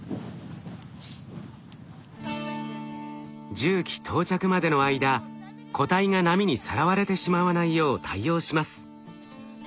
重機到着までの間個体が波にさらわれてしまわないよう対応します。